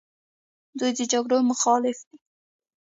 دوی د جګړو مخالف دي.